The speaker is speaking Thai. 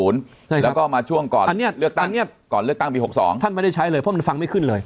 แล้วก็มาช่วงก่อนเลือกตั้งปี๖๒ท่านไม่ได้ใช้เลยเพราะมันฟังไม่ขึ้นเลย